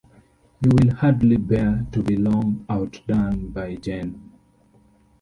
You will hardly bear to be long outdone by Jane.